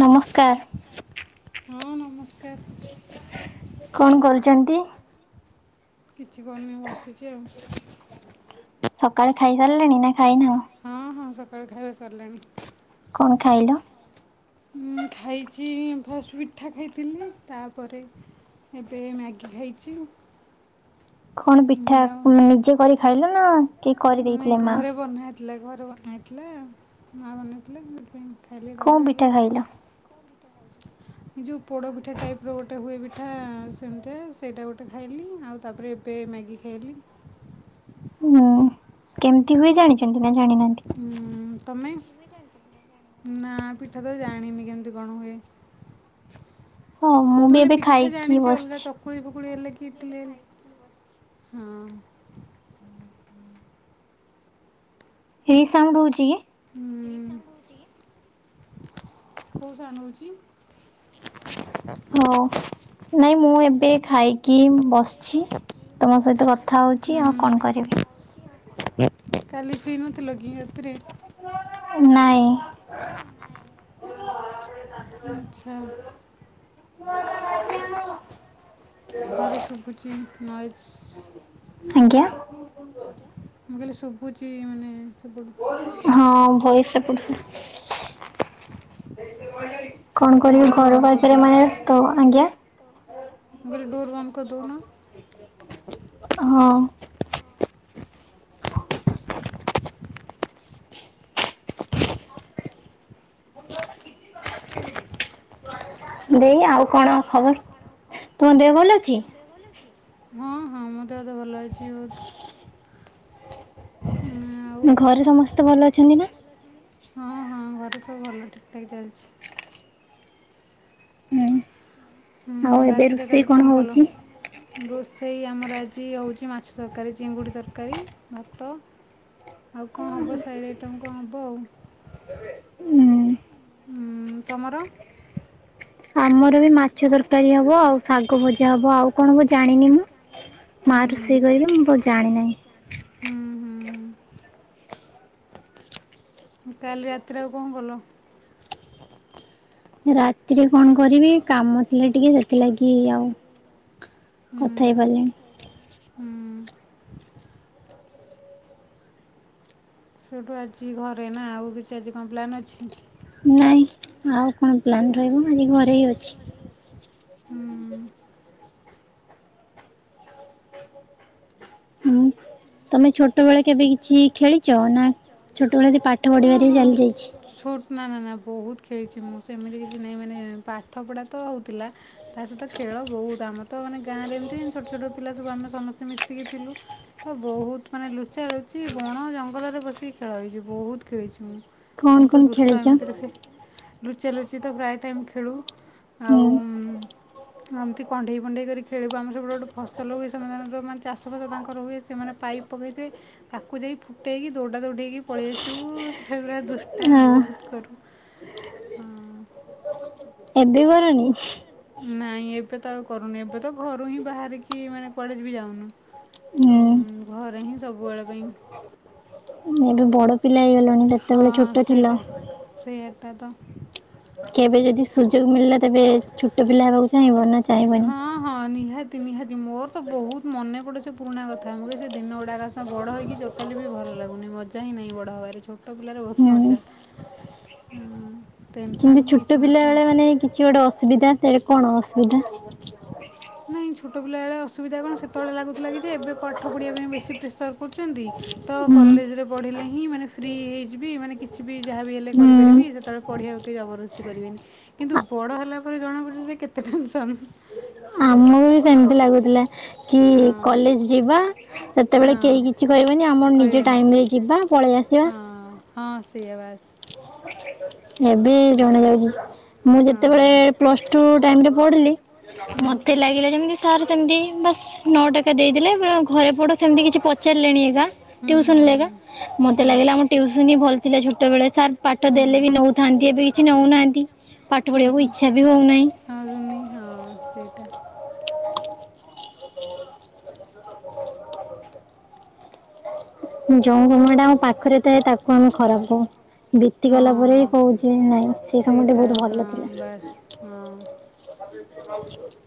ନମସ୍କାର। କଣ କରୁଛନ୍ତି କିଛି କରୁନି ବସିଛି ଆଉ ସକାଳେ ଖାଇ ସାରିଲେଣି ନା ଖାଇନ ହଁ ହଁ ସକାଳୁ ଖାଇବା ସରିଲାଣି। କଣ ଖାଇଲ ହଁ ଖାଇଛି ଫାଷ୍ଟ ପିଠା ଖାଇଥିଲି ତାପରେ ଏବେ ମ୍ୟାଗି ଖାଇଛି। କଣ ପିଠା ନିଜେ କରି ଖାଇଲ ନା କିଏ କରିଦେଇଥିଲେ ମା ଥିଲା ଘରେ ବନାହେଇଥିଲା ମାଆ ବନେଇଥିଲେ ମୁଁ ଖାଇଲି ତାପରେ ଏବେ [unintelligible] ଏ ଯେଉଁ ପୋଡ଼ପିଠା ଟାଇପ ର ଗୋଟେ ହୁଏ ପିଠା ସେମିତିଆ ସେଇଟା ଗୋଟେ ଖାଇଲି ଆଉ ତା ପରେ ଏବେ ମ୍ୟାଗି ଖାଇଲି। ହୁଁ କେମିତି ହୁଏ ଜାଣିଛନ୍ତି ନା ଜାଣିନାହାନ୍ତି। ହୁଁ ତମେ ନା ପିଠା ତ ଜାଣିନି କେମିତି କଣ ହୁଏ। ତୁମେ ମାନେ ପିଠା ଜାଣିଛି ଅଲଗା ତ ଚକୁଳି ପକୁଳି ହେଲ କି ଇଟିଲି ହେଲେ ଖାଇବୁ ହଁ। ରି ସାଉଣ୍ଡ ହେଉଛି କି ହୁଁ [unintelligible] କୋଉ ସାଉଣ୍ଡ ହଉଛି। ହଁ ନାଇଁ ମୁଁ ଏବେ ଖାଇକି କି ବସିଛି ତମ ସହିତ କଥା ହଉଛି ଆଉ କଣ କରିବି। କାଲି ଫ୍ରୀ ନଥିଲ କି ରାତିରେ? ନାହିଁ। ଆଚ୍ଛା। [inaudible] ଘରେ ଶୁଭୁଛି ନଏଜ। ଆଜ୍ଞା? [inaudible] ମୁଁ କହିଲି ଶୁଭୁଛି ମାନେ ସେପଟୁ। ହଁ ଭଏସ୍ ସେପଟୁ। କଣ କରିବି ଘର ପାଖରେ, [unintelligible] ଆଜ୍ଞା? ମୁଁ କହିଲି ଡୋର ବନ୍ଦ କରି ଦୋଉନ। ହଁ। [inaudible] ଦେଇ ଆଉ କଣ ଖବର? ତୁମ ଦେହ ଭଲ ଅଛି? ହଁ ହଁ ମୋ ଦେହ ତ ଭଲ ଅଛି ବହୁତ୍‌। ହୁଁ ଘରେ ସମସ୍ତେ ଭଲ ଅଛନ୍ତି ନା? ହଁ ଘରେ ସବୁ ଭଲ ଠିକ୍ ଠାକ୍ ଚାଲିଛି। ହୁଁ ରାତିରେ କାଲି କଣ କଲ? ରୋଷେଇ ଆମର ଆଜି ହେଉଛି ମାଛ ତରକାରୀ ଚିଙ୍ଗୁଡ଼ି ତରକାରୀ, ଭାତ ଆଉ କଣ ହେବ ସାଇଡ଼ ଆଇଟମ କଣ ହେବ ଆଉ। ଉଁ ତମର? ଆମର ବି ମାଛ ତରକାରୀ ହବ ଆଉ ଶାଗ ଭଜା ହବ ଆଉ କଣ ହବ ଜାଣିନି ମୁଁ। ମା ରୋଷେଇ କରିବ ମୁଁ ତ ଜାଣିିନାହିଁ। ହୁଁ, ହୁଁ -ହୁଁ। କାଲି ରାତିରେ ଆଉ କଣ କଲ? ରାତିରେ କଣ କରିବି କାମ ଥିଲେ ଟିକେ ସେଥିଲାଗି ଆଉ କଥା ହେଇପାରିଲିନି। ସେଠୁ ଆଜି ଘରେ ନା ଆଉ କିଛି ଆଜି କଣ ପ୍ଲାନ୍ ଅଛି? ନାଇଁ ଆଉ କଣ ପ୍ଲାନ୍ ରହିବ ମୁଁ ଆଜି ଘରେ ହିଁ ଅଛି। [inaudible] ହୁଁ? ତମେ ଛୋଟବେଳେ କେବେ କିଛି ଖେଳିଛ ନା ଛୋଟବେଳେ ସେ ପାଠ ପଢିବାରେ ଚାଲି ଯାଇଛି? ଛୁଟ୍ ନା ନା ନା ବହୁତ ଖେଳିଛି ମୁଁ ସେମିତି କିଛି ନାହିଁ ମାନେ ପାଠପଢ଼ା ତ ହେଉଥିଲା ତା ସହିତ ଖେଳ ବହୁତ। ଆମ ତ ମାନେ ଗାଁରେ ଏମିତି ଛୋଟ ଛୋଟ ପିଲା ସବୁ ଆମେ ସମସ୍ତେ ମିଶିକି ଥିଲୁ। ତ ବହୁତ ମାନେ ଲୁଚା ଲୁଚି ବଣ ଜଙ୍ଗଲରେ ପଶିକି ଖେଳ ହେଇଛି ବହୁତ ଖେଳିଛି ମୁଁ। ମୁଁ ତ ଦୁଷ୍ଟ ଏମତିରେ ହୁଏ। ଲୁଚା ଲୁଚି ତ ପ୍ରାୟ ଟାଇମ୍ ଖେଳୁ। ଆଉ ଏମିତି କଣ୍ଢେଇ ଫଣ୍ଢେଇ କରିକି ଖେଳିବୁ। ଆମର ସେପଟେ ଗୋଟେ ଫସଲ ହୁଏ ସେମାନେ ତାଙ୍କର ମାନେ ଚାଷ ଫାସ ତାଙ୍କର ହୁଏ ସେମାନେ ପାଇପ୍ ପକେଇ ଥିବେ, ତାକୁ ଯାଇ ଫୁଟେଇକି ଦୌଡା ଦୌଡ଼ି ହେଇକି ପଳେଇ ଆସିବୁ। ସେ ଯୋଉଭଳିଆ ଦୁଷ୍ଟା ମି ବହୁତ କରୁ। ଏବେ କରନି? ନାଇଁ ଏବେ ତ ଆଉ କରୁନି। ଏବେ ତ ଘରୁ ହିଁ ବାହାରିକି ମାନେ କୁଆଡ଼େ ବି ଯାଉନୁ। ଆଉ ଘରେ ହିଁ ସବୁବେଳେ ପାଇଁ। ଏବେ ବଡ଼ ପିଲା ହେଇଗଲାଣି ସେତେବେଳେ ଛୋଟ ଥିଲ। ସେଇଟା ତ କେବେ ଯଦି ସୁଯୋଗ ମିଳିଲା ତେବେ ଛୋଟ ପିଲା ହେବାକୁ ଚାହିଁବ ନା ହଁ ହଁ ନିହାତି ନିହାତି ମୋର ତ ବହୁତ ମନେ ପଡ଼େ ସେ ପୁରୁଣା କଥା ମୁଁ କହେ ସେ ଦିନ ଗୁଡ଼ାକ ବଡ଼ ହେଇକି ଜ ଟୋଟାଲି ବି ଭଲ ଲାଗୁନି ମଜା ହିଁ ନାହିଁ ବଡ଼ ହେବାରେ ଛୋଟ ପିଲାର ବହୁତ ମଜାଥାଏ। ହଁ ଟେନ୍‌ସନ ହିଁ କିଛି ନଥାଏ କିଛି ଗୋଟେ ଅସୁବିଧା ତାରେ କଣ ଅସୁବିଧା ନାହିଁ ଛୋଟ ପିଲାବେଳେ ଅସୁବିଧା କଣ ସେତେବେଳେ ଲାଗୁଥିଲା କି ଯେ ଏବେ ପାଠ ପଢ଼ିବା ପାଇଁ ବେଶୀ ପ୍ରେସର କରୁଛନ୍ତି ତୋ କଲେଜରେ ପଢ଼ିଲେ ହିଁ ମାନେ ଫ୍ରି ହେଇଯିବି ମାନେ କିଛି ବି ଯାହା ବି ହେଲେ କରିପାରିବି ଯେତେବେଳେ ପଢ଼ିବାକୁ କେହି ଜବରଦସ୍ତି କରିବେନି କିନ୍ତୁ ବଡ ହେଲା ପରେ ଜଣା ପଡୁଛି ଯେ କେତେ ଟେନସନ୍। ହୁଁ। ବି ସେମିତି ଲାଗୁଥିଲା କି କଲେଜ ଯିବା ସେତେବେଳେ କେହି କିଛି କହିବେନି ଆମର ନିଜ ଟାଇମ ରେ ଯିବା ପଳେଇ ଆସିବା ହଁ ସେଇଆ ବାସ୍। ଏବେ ଜଣା ଯାଉଛି ମୁଁ ଯେତେବେଳେ ପ୍ଲସ ଟୁ ଟାଇରେ ପଢିଲି ମତେ ଲାଗିଲା ଯେମିତି ସାର୍ ସେମିତି ବାସ୍ ନୋଟ୍ ହକା ଦେଇଲେ ଘରେ ପଟ ସେମିତି କିଛି ପଚାରିଲେଣି ଏକା ତିଉସନ ଲେଗା ମତେ ଲାଗିଲା ଆମ ତିଉସନ ହିଁ ଭଲ ଥିଲା ଛୋଟ ବେଳେ ସାର୍ ପାଠ ଦେଲେ ନଉଥାନ୍ତି ଏବେ କିଛି ନଉନାହାନ୍ତି ପାଠ ପଢିବାକୁ ଇଚ୍ଛା ବି ହଉନାହିଁ ହ ରନି ହଁ ସେଇଟା ଯୋଉ ଗୁରୁମା ଟା ଆମ ପାଖରେ ଥାଏ ତାକୁ ଆମେ ଖରାପ କହୁ ବିତିଗଲା ପରେ କହୁଛେ ନାହିଁ ସେ ସମୟଟା ବହୁତ ଭଲ ଥିଲା। ବାସ୍ ହଁ। [unintelligible]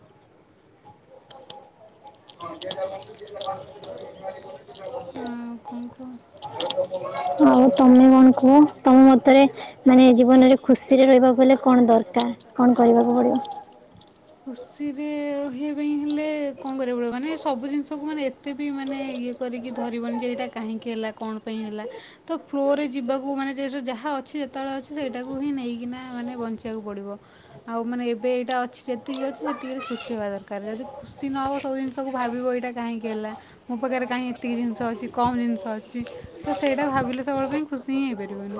ହଁ [inaudible] ଆ କୁଣ କୁହ? ଆଉ ତମେ କଣ କୁହ ତମ ମତରେ ମାନେ ଜୀବନରେ ଖୁସିରେ ରହିବାକୁ ଗଲେ କଣ ଦରକାର କଣ କରିବାକୁ ପଡିବ? ଖୁସିରେ ରହିବା ପାଇଁ ହେଲେ କଣ କରିବାକୁ ପଡ଼ିବ ମାନେ ସବୁ ଜିନିଷକୁ ମାନେ ଏ ଏତେ ବି ମାନେ ଇଏ କରିକି ଧରିବନି ଯେ ଏଇଟା କାହିଁକି ହେଲା କଣ ପାଇଁ ହେଲା ତ ଫ୍ଲୋର ରେ ଯିବାକୁ ମାନେ ଯାହା ଅଛି ପତଳ ଅଛି ସେଇଟାକୁ ହିଁ ନେଇକିନା ମାନେ ବଞ୍ଚିବାକୁ ପଡ଼ିବ ଆଉ ମାନେ ଏବେ ଏଇଟା ଅଛି ଯେ ସେତିକି ଅଛି ସେତିକିରେ ଖୁସି ହେବା ଦରକାର ଯଦି ଖୁସି ନହବ ସବୁ ଜିନିଷକୁ ଭାବିବ ଏଇଟା କାହିଁକି ହେଲା ମୋ ପାଖରେ କାହିଁକି ଏତିକି ଜିନିଷ ଅଛି କମ ଜିନିଷ ଅଛି ତ ସେଇଟା ଭାବିଲେ ସବୁବେଳେ ପାଇଁ ଖୁସି ହିଁ ହେଇପାରିବନି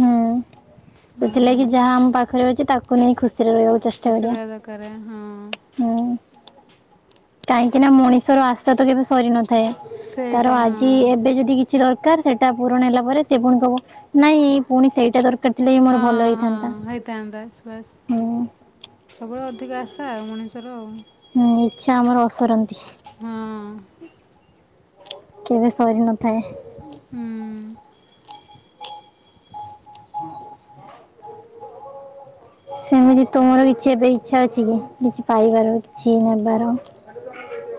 ହଁ। ହୁଁ। ହେଲା କିି ଯାହା ଆମ ପାଖରେ ଅଛି ତାକୁ ନେଇକି ଖୁସି ରେ ରହିବାକୁ ଚେଷ୍ଟା କରିବା। କରେ ହଁ। ହଁ। କାହିଁକି ନା ମଣିଷର ଆଶା ତ କେବେ ସରି ନଥାଏ ତାର ଆଜି ଏବେ ଯଦି କିଛି ଦରକାର ସେଇଟା ପୂରଣ ହେଲା ପରେ ସେ ପୁଣି କହିବ ନାଇଁ ଏଇ ପୁଣି ସେଇଟା ଦରକାର ଥିଲେ ବିି ମୋର ଭଲ ହେଇଥାନ୍ତା ହୁଁ। ସବୁବେଳେ ଅଧିକ ଆଶା ଆଉ ମଣିଷର ଆଉ। ହୁଁ ଇଚ୍ଛା ଆମର ଅସରନ୍ତି। କେବେ ସରି ନଥାଏ। ହୁଁ। ସେମିତି ତୁମର କିଛି ଏବେ ଇଚ୍ଛା ଅଛି କି କିଛି ପାଇବାର କିଛି ନେବାର?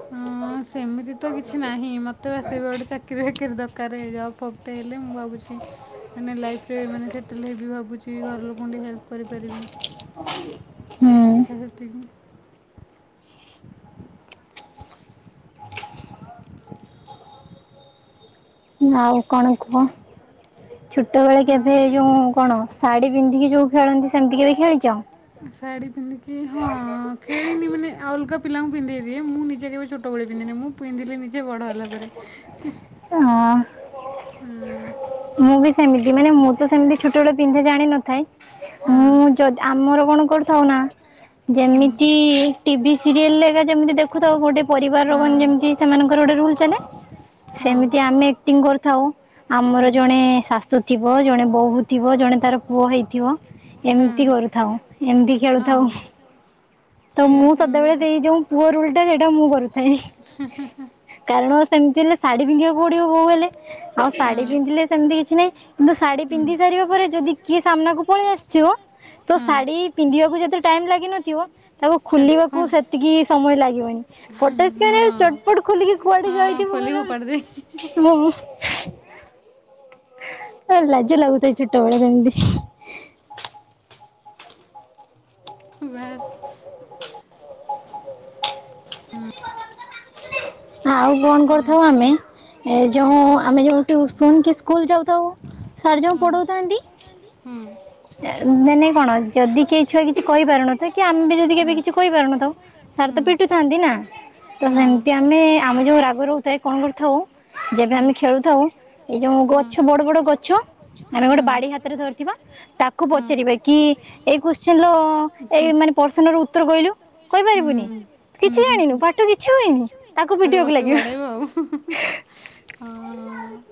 ଏମିତି ଖାଉ ସେମିତି ତ କିଛି ନାହିଁ ମତେ ବାସ୍ ଏବେ ଗୋଟେ ଚାକିରି ଫାକିରୀ ଦକାରେ ଜବ୍ ଫବ୍ ଟେ ହେଲେ ମୁଁ ଭା ଉସି ମାନେ ଲାଇଫ୍ ରେ ମାନେ ସେଟେଲ ହେବି ଭାବୁଚି ଘର ଲୋକଙ୍କୁ ଟିକେ ହେଲ୍ପ କରିପାରିବି। ଏସ୍ ଇଚ୍ଛା ସେତିକିି। ନା ଆଉ କଣ କୁହ। ଛୋଟ ବେଳେ କେବେ ଯୋଉଁ କଣ ଶାଢ଼ୀ ପିନ୍ଧିକି ଯୋଉ ଖେଳନ୍ତି ସେମିତି କେବେ ଖେଳିଚ? ଶାଢ଼ୀ ପିନ୍ଧିକି ହଁ ଖେଳିିନି ମାନେ ଅଲଗା ପିଲାଙ୍କୁ ପିନ୍ଧେଇଦିଏ ମୁଁ ନିଜେ କେବେ ଛୋ ଟୋ ଅଳେ ପିନ୍ଧିନି ମୁଁ ପିନ୍ଧିଲି ନିଜେ ବଡ଼ ହେଲା ପରେ। ଏ ହଁ। ମୁଁ ବି ସେମିତି ମାନେ ମୁଁ ତ ସେମିତି ଛୋଟ ଏଳେ ପିନ୍ଧେ ଜାଣିନଥାଏ। ମୁଁ ଯଦ୍ ଆମର କଣ କରୁଥାଉ ନା ଯେମିତି ଟି ଭି ସିରିଏଲ ହେକା ଯେମିତି ଦେଖୁଥାଉ ଗୋଟେ ପରିବାର ରୋଗନ୍ ଯେମତି ସେମାନଙ୍କର ଗୋଟେ ରୁଲ ଚାଲେ ସେମିତି ଆମେ ଏକ୍ଟିଂ କରିଥାଉ ଆମର ଏଁ ଶାଶୁ ଥିବ ଜଣେ ବୋହୂ ଥିବ ଜଣେ ତାର ପୁଅ ହେଇଥିବ। ଏମତି କରୁଥାଉ ଏମତି ଖେଳୁଥାଉ ତ ମୁଁ ସଦାବେଳେ ଦେଇ ଯୋଉଁ ପୁଅର ରୋଲଟା ସେଟା ମୁଁ କରୁଥାଏ। ହାଁ ହାଁ ହାଁ। କାରଣ ସେମତି ହେଲେ ଶାଢୀ ପିନ୍ଧିବାକୁ ପଡିବ ବୋଉ ହେଲେ ଆଉ ଶାଢୀ ପିନ୍ଧିଲେ ସେମତି କିଛି ନାହିଁ କିନ୍ତୁ ଶାଢୀ ପିନ୍ଧି ସାରିବା ପରେ ଯଦି କିଏ ସାମ୍ନାକୁ ପଳେଇ ଆସିଚିବ ତ ଶାଢୀ ପିନ୍ଧିବାକୁ ଯେତେ ଟାଇମ୍ ଲାଗିନଥିବ ତାକୁ ଖୋଲିବାକୁ ସେତିକି ସମୟ ଲାଗିବନି ପଟାକିନା ଚ ପଟ୍ ଖୋଲିକି କୁଆଡ଼େ ଯାଇଥିବୁ କହିଲ ମୁଁ ଏ ଲାଜ ଲାଗୁଥାଏ ଛୋଟବେଳେ ସେମତି। ବାସ୍ ଉଁ ଆଉ କଣ କରଥାଉ ଆମେ ଏ ଯୋଉଁ ଆମେ ଯୋଉ ଟିଉସନ କି ସ୍କୁଲ ଯାଉଥାଉ। ହଁ ହଁ। ଏ ନାଁ ନାଇଁ କଣ ଯଦି କେହି ଛୁଆ କିଛି କହିପାରୁନଥୁଏ କି ଆମେ ବି ଯଦି କେବେ କିଛି କହିପାରୁନଥାଉ ସାର୍ ତ ପିଟୁଥାଆନ୍ତି ନାଁ। ତ ସେମତି ଆମେ ଆମେ ଯୋଉ ରାଗ ରହୁଥାଏ କଣ କରୁଥାଉ ଯେବେ ଆମେ ଖେଳୁଥାଉ ଏଇ ଯୋଉଁ ଗଛ ବଡ ବଡ ଗଛ ଆମେ ଗୋଟେ ବାଡି ହାତରେ ଧରିଥିବା ତାକୁ ପଚାରିବେ କି ଏଇ କୋଶ୍ଚିନର ଏଇ ମାନେ ପରଶନର ଉତ୍ତର କହିଲୁ କହିପାରିବୁନି କିଛି ଜାଣିନୁ ପାଠ କିଛି ହୁଏନି। ସେଳୁ ଗଛୁକୁ ବାଡ଼େଇବ ଆଉ ହଁ।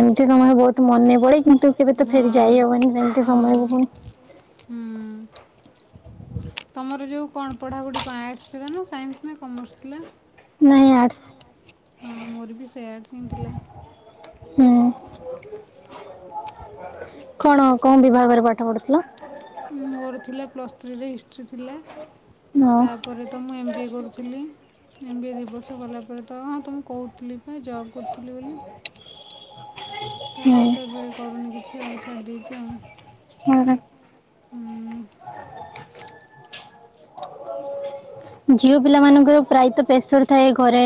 ଏମତି ତମର ବୋହୁତୁ ମନେପଡ଼େ କିନ୍ତୁ କେବେ ତ ଫେରି ଯାଇହବନି ନା ଏମତି ସମୟକୁ ଫୁଣି। ତମର ଯୋଉ କଣ ପଢ଼ାପଢ଼ି କଣ ଆର୍ଟସ ଥିଲା ନାଁ ସାଇନ୍ସ ନାଁ କମର୍ସ ଥିଲା? ନାଇଁ ଆର୍ଟ୍ସ। ହଁ ମୋର ବି ସେଇ ଆର୍ଟସ ହିଁ ଥିଲା। ହୁଁ କଣ କୋଉଁ ବିଭାଗରେ ପାଠ ପଢୁଥିଲ? ମୋର ଥିଲା ପ୍ଲସ୍ ଥ୍ରୀ ରେ ହିଷ୍ଟ୍ରି ଥିଲା ତାପରେ ତ ମୁଁ ଏମ୍ ବି ଏ କରୁଥିଲି। ଏମ୍ ବି ଏ ଦୁଇ ବର୍ଷ କଲାପରେ ତ ହଁ ତ ମୁଁ କହୁଥିଲି ପା ଜବ୍ କରୁଥିଲି ବୋଲି। ତାପରେ ତ ଏବେ କରୁନି କିଛି ଆଉ ଛାଡ଼ି ଦେଇଛି ଆଉ। ହଁ ବା। [inaudible] ଝିଅ ପିଲା ମାନଙ୍କର ପ୍ରାୟତଃ ପ୍ରେସର୍ ଥାଏ ଘରେ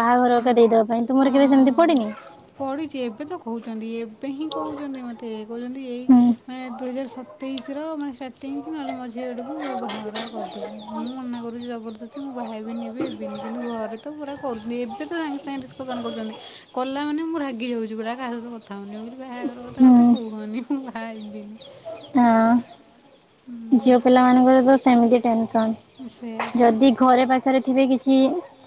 ବାହାଘର ହେକା ଦେଇ ଦେବା ପାଇଁ ତୁମର କେବେ ସେମିତି ପଡିନି? ପଢ଼ିଛି ଏବେ ତ କହୁଛନ୍ତି ଏବେ ହିଁ କହୁଛନ୍ତି ମତେ ଏ କହୁଛନ୍ତି ଏଇ ମାନେ ଦୁଇ ହଜାର ସତେଇଶ ର ମାନେ ଷ୍ଟାଟିଙ୍ଗ୍ କି ନହେଲେ ମଝି ଆଡ଼କୁ ବାହାଘର କରିଦେବୁ ମୁଁ ମନା କରୁଛି ଜବରଦସ୍ଥ କହୁଛି ମୁଁ ବାହା ହେବିନି ଏବେ ହେବିନି କିନ୍ତୁ ଘରେ ତ ପୁରା କହୁଛନ୍ତି ଏବେ ସାଙ୍ଗେ ସାଙ୍ଗେ ଡିସ୍କସନ୍ କରୁଛନ୍ତି କଲା ମାନେ ମୁଁ ରାଗି ଯାଉଛି ପୁରା କାହା ସହିତ କ ଥା ହଉନି ମୁଁ କହିଲି ବାହାଘର କଥା ମତେ କୁହନି ମୁଁ ବାହା ହେବିନି। ହଁ ଝିଅ ପିଲା ମାନଙ୍କର ତ ସେମିତି ଟେନ୍ସନ୍। ଯଦି ଘରେ ପାଖରେ ଥିବେ କିଛି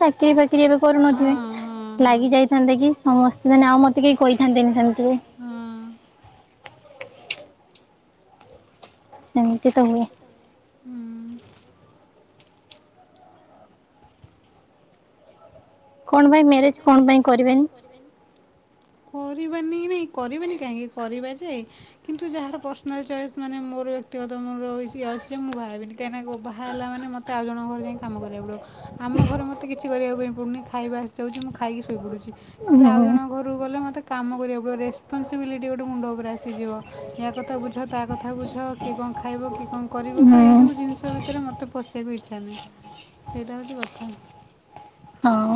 ଚାକିରି ଫାକିରି ଏବେ କରୁନଥିବେ ଲାଗିଯାଇ ଥାନ୍ତେ କି ସମସ୍ତେ ମାନେ ଆଉ ମତେ କେହି କହିଥାନ୍ତେନି ସେମିତି କେହି। ହଁ। ସେମିତି ତ ହୁଏ। ହୁଁ। କଣ ପାଇଁ ମ୍ୟାରେଜ୍ କଣ ପାଇଁ କରିବେନି? କରିବାନି ନାଇଁ କରିବାନି କାହିଁକି କରିବା ଯେ କିନ୍ତୁ ଯାହାର ପର୍ସନାଲ୍ ଚଏସ୍ ମାନେ ମୋର ବ୍ୟକ୍ତିଗତ ମୋର କିଛି ଅଛି ମୁଁ ବାହା ହେବିନି କାହିଁ ନାଁ ବାହା ହେଲା ମାନେ ମ ତେ ଆଉ ଜଣଙ୍କ ଘରେ ଯାଇଁ କାମ କରିବାକୁ ପଡିବ। ଆମ ଘରେ ମତେ କିଛି କରିବା ପାଇଁ ପଡ଼ୁନି ଖାଇବା ଆସି ଯାଉଛି ମୁଁ ଖାଇକି ଶୋଇ ପଡୁଛି କିନ୍ତୁ ଆଉ ଜଣଙ୍କ ଘ ର କୁ ଗଲେ ମତେ କାମ କରିବାକୁ ପଡ଼ିବ ରେସପନ୍ସିବିଲିଟି ଗୋଟେ ମୁଣ୍ଡ ଉପରେ ଆସିଯିବ। ୟା କଥା ବୁଝ ତା କଥା ବୁଝ କିଏ କଣ ଖାଇବ କିଏ କଣ କରିବ ତ ଏଇ ସବୁ ଜିନିଷ ଭିତରେ ମ ତେ ପଶିବାକୁ ଇଚ୍ଛା ନାହିଁ ସେଇଟା ହଉଛି କଥା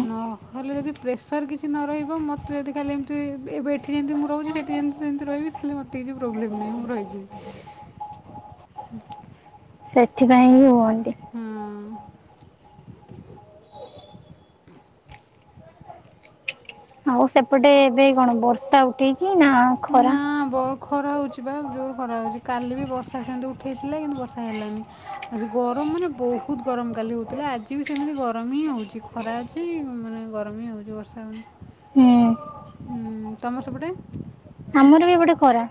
ନୁହଁ? ନ ହେଲେ ଯେଦି ପ୍ରେସର୍ କିଛି ନ ରହିବ ମତେ ଯଦି ଖାଲି ଏମିତି ଏବେ ଏବେ ଏଠି ଯେମିତି ମୁଁ ରହୁଛି ସେଠି ଯେମିତି ସେମିତି ରହିବି ତ ତାହେଲେ ମତେ କିଛି ପ୍ରୋବ୍ଲେମ୍ ନାହିଁ ମୁଁ ରହିଯିବି। [unintelligible] ହୁଁ। ସେଥିପାଇଁ ହିଁ ହୁଅନ୍ତି। ହୁଁ। [unintelligible] ଆଉ ସେପଟେ ଏବେ କଣ ବର୍ଷା ଉଠେଇଛି ନା ଖରା? ଖରା ହଉଛି ବା ଜୋର୍ ଖରା ହଉଛି କାଲି ବି ବର୍ଷା ସେମିତି ଉଠେଇଥିଲେ କିନ୍ତୁ ବର୍ଷା ହେଲାନି। ମାନେ ଗରମ ମାନେ ବହୁତ ଗରମ କାଲି ହଉଥିଲା ଆଜି ବି ସେମିତି ଗରମ ହିଁ ହଉଛି ଖ ଖରା ଅଛି ମାନେ ଗରମ ବି ହଉଛି ବର୍ଷା ହଉନି। ହୁଁ। ହୁଁ ତମର ସେପଟେ? ଆମର ବି ଏପଟେ ଖରା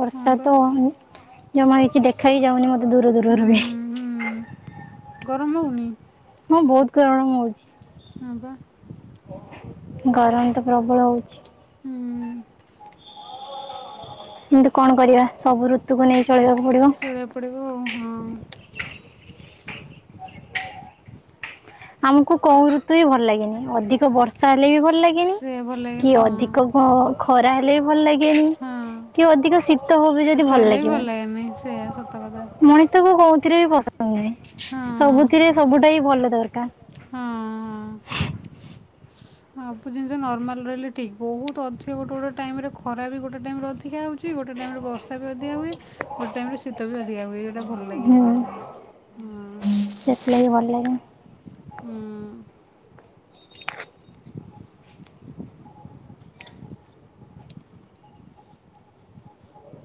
ବର୍ଷା ତ ହଉନି ଯୋଉ ମାନେ କିଛି ଦେଖା ବି ଯାଉନି ମ ଦୂରୁ ଦୂରୁ ହେଲାଣି। ଗରମ ହଉନି? ହଁ ବହୁତ ଗରମ ହଉଛି। ହଁ ପା। ଗରମ ତ ପ୍ରବଳ ହଉଛି। ହୁଁ-ଉଁ-ଉଁ-ଉଁ କିନ୍ତୁ କଣ କରିବା, ସବୁ ଋତୁକୁ ନେଇ ଚଳିବାକୁ ପଡିବ। ପଡିବ ଆଉ ହଁ। ଆମକୁ କୋଉ ଋତୁ ବି ଭଲ ଲାଗେନି, ଅଧିକ ବର୍ଷା ହେଲେ ବି ଭଲ୍ ଲ ଲାଗେନି କି ଅଧିକ ଖ-ଖରା ହେଲେ ବି ଭଲ ଲାଗେନି। କି ଅଧିକ ଶୀତ ହବ ଯଦି ଭଲ ଲାଗିବନି। [inaudible] ତାକୁ କୋଉଥିରେ ବି ପସନ୍ଦ ନାହଁ। ହଁ। ସବୁଥିରେ ସବୁଟା ହି ଭଲ ଦରକାର। ହୁଁ, ସୁ ହଁ ସବୁ ଜିନିଷ ନର୍ମାଲ ରହିଲେ ଠିକ୍ ବହୁତ ଅଧିକ ଗୋଟେ ଗୋଟେ ଟାଇମରେ ଖରା ବି ଗୋଟେ ଟାଇମରେ ଅଧି ଧିକା ହେଉଛି ଗୋଟେ ଟାଇମରେ ବର୍ଷା ବି ଅଧିକ ହୁଏ ଗୋଟେ ଟାଇମରେ ଶୀତ ବି ଅଧିକା ହୁଏ ଏଇଟା ଭଲ ଲାଗେନି ହଁ। ସେଥିଲାଗି ଭଲ ଲାଗେନି। ହୁଁ [unintelligible]